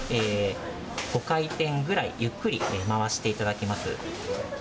５回転くらい、ゆっくり回していただきます。